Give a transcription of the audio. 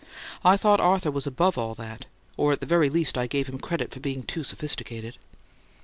I thought Arthur was above all that; or at the very least I gave him credit for being too sophisticated."